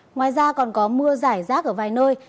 ngoài ra còn có mưa giải rác ở vài nơi